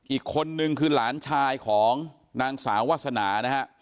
อีกคนนึงคือหลานชายของนางสาววาสนานะฮะ